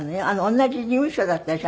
同じ事務所だったでしょ？